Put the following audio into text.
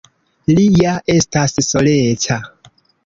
Li ja estas soleca.